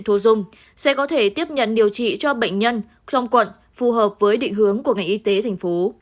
thu dung sẽ có thể tiếp nhận điều trị cho bệnh nhân trong quận phù hợp với định hướng của ngành y tế thành phố